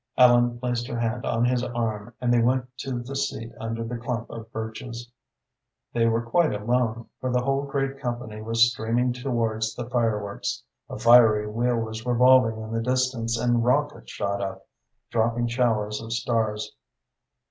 Ellen placed her hand on his arm, and they went to the seat under the clump of birches. They were quite alone, for the whole great company was streaming towards the fireworks. A fiery wheel was revolving in the distance, and rockets shot up, dropping showers of stars.